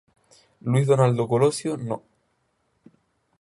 Luis Donaldo Colosio No.